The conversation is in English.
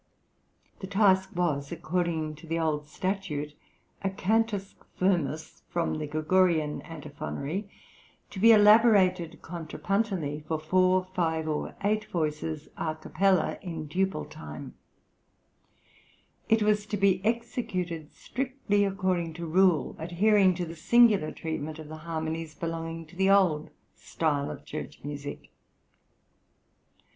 The task was, according to the old statute, a Cantus firmus from the Gregorian Antiphonary, to be elaborated contrapuntally for four, five, or eight voices a capella (in duple time); it was to be executed strictly according to rule, adhering to the singular treatment of the harmonies belonging to the old {THE ITALIAN TOUR.} (128) style of church music.